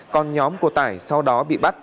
còn nhóm của tải sau đó bị bắt